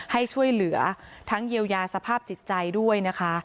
ให้ช่วยเหลือทั้งเยียวยาสภาพจิตใจด้วยนะคะ